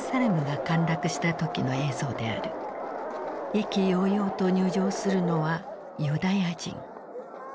意気揚々と入城するのはユダヤ人。